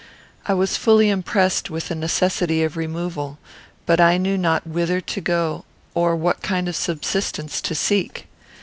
I was fully impressed with the necessity of removal, but I knew not whither to go, or what kind of subsistence to seek.